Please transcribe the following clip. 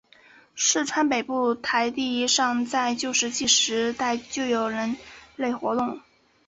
市川北部的台地上在旧石器时代就有人类活动。